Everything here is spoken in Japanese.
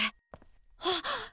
あっ！